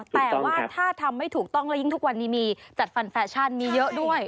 แต่ว่าถ้าทำไม่ถูกต้องและยิ่งทุกวันนี้มีจัดฟันแฟชั่นมีเยอะด้วย